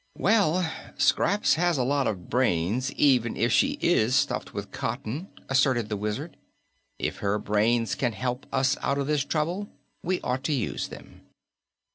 "Well, Scraps has a lot of brains, even if she IS stuffed with cotton," asserted the Wizard. "If her brains can help us out of this trouble, we ought to use them."